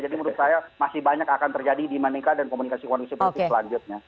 jadi menurut saya masih banyak akan terjadi di maneka dan komunikasi kondisi politik selanjutnya